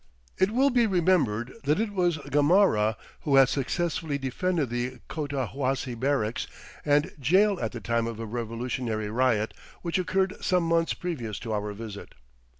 It will be remembered that it was Gamarra who had successfully defended the Cotahuasi barracks and jail at the time of a revolutionary riot which occurred some months previous to our visit.